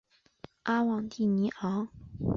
阿旺蒂尼昂。